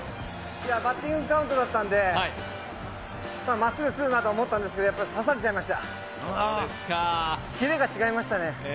バッティングカウントだったんで、まっすぐ来るなと思ったんですけど、やっぱり刺されちゃいました、キレが違いましたね。